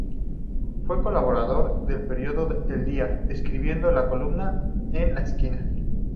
Fue colaborador del periódico "El Día" escribiendo la columna "En la Esquina".